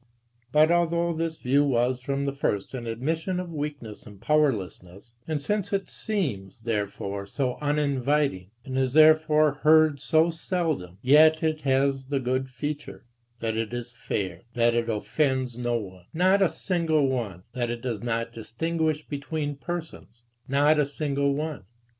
But although this view was from the first an admission of weakness and powerlessness, and since it seems therefore so uninviting, and is therefore heard so seldom: yet it has the good feature, that it is fair, that it offends no one, not a single one, that it does not distinguish between persons, not a single one.